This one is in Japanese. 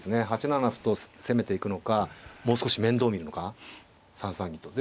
８七歩と攻めていくのかもう少し面倒見るのか３三銀と。